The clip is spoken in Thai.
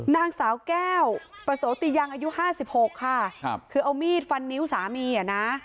นางสาวแก้วประโสติยังอายุห้าสิบหกค่ะครับคือเอามีดฟันนิ้วสามีอ่ะนะ